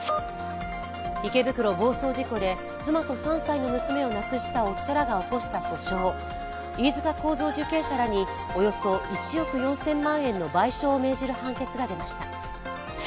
池袋暴走事故で妻と３歳の娘を亡くした夫らが起こした訴訟飯塚受刑者らにおよそ１億４０００万円の賠償を命じる判決が出ました。